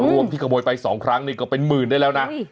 รวมที่ขโมยไป๒ครั้งนี่ก็เป็นหมื่นได้แล้วนะ